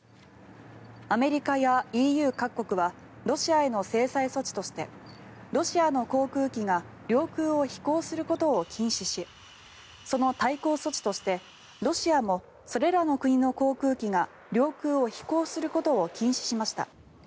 アメリカやＥＵ各国はロシアへの制裁措置としてロシアの航空機が領空を飛行することを禁止しその対抗措置としてロシアもそれらの国の航空機が領空を飛行することを禁止しました。